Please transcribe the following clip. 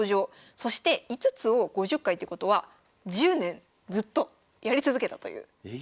そして５つを５０回ってことは１０年ずっとやり続けたという。